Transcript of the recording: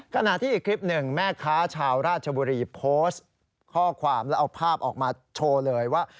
ขณะที่อีกคลิปหนึ่งแม่ค้าชาวราชบุรีโพสต์ข้อความแล้วเอาภาพออกมาโชว์เลยว่า